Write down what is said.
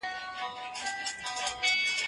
هغه وويل چي ونه مهمه ده!؟